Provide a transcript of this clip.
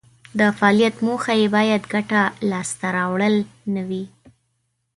د فعالیت موخه یې باید ګټه لاس ته راوړل نه وي.